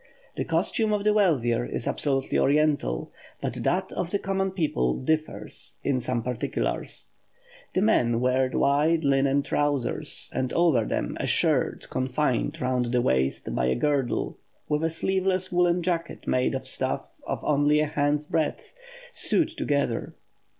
The costume of the wealthier is absolutely Oriental, but that of the common people differs in some particulars. The men wear wide linen trousers, and over them a shirt confined round the waist by a girdle, with a sleeveless woollen jacket made of stuff of only a hand's breadth, sewed together.